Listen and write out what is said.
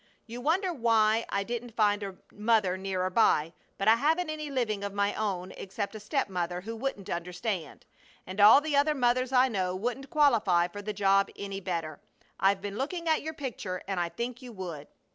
You wonder why I didn't find a mother nearer by, but I haven't any living of my own, except a stepmother, who wouldn't understand, and all the other mothers I know wouldn't qualify for the job any better. I've been looking at your picture and I think you would.